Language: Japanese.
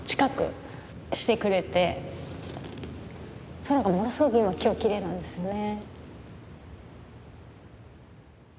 空がものすごく今日きれいなんですね。